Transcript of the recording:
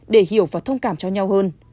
để hiểu và thông cảm cho nhau hơn